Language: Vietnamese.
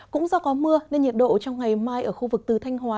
cũng do có mưa nên nhiệt độ trong ngày mai ở khu vực từ thanh hóa